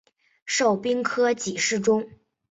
授兵科给事中。